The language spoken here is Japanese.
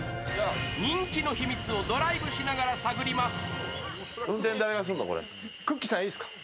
人気の秘密をドライブしながら探ります。